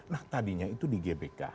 nah tadinya itu di gbk